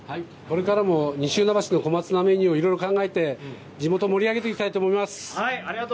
これからも西船橋の小松菜メニューをいろいろ考えて地元を盛り上げていきたいと思います。